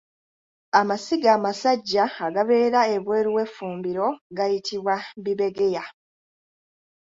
Amasiga amasajja agabeera ebweru w’effumbiro gayitibwa Bibegeya.